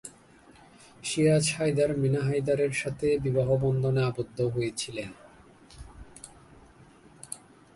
সিরাজ হায়দার মিনা হায়দারের সাথে বিবাহবন্ধনে আবদ্ধ হয়েছিলেন।